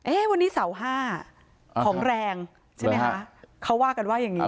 วันนี้เสาห้าของแรงใช่ไหมคะเขาว่ากันว่าอย่างนี้